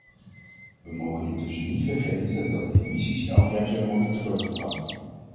We mogen intussen niet vergeten dat de emissies elk jaar zullen worden teruggebracht.